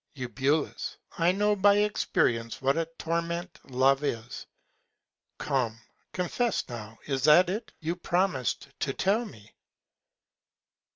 Eu. I know by Experience what a Torment Love is. Come, confess now, is that it? You promis'd to tell me.